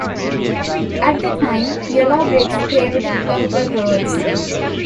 At the time, yellow bricks paved local roads.